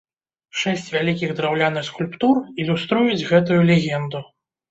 Шэсць вялікіх драўляных скульптур ілюструюць гэту легенду.